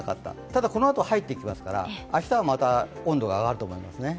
ただ、このあと入ってきますから明日はまた温度が上がると思いますね。